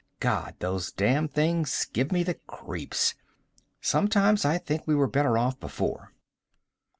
God, those damn things give me the creeps. Sometimes I think we were better off before."